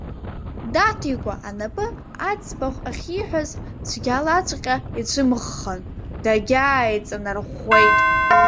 Даҭикәа анапы аӡбахә ахьиҳәаз цәгьалаҵәҟьа ицәымӷхан, дагьааиҵанарӷәӷәеит.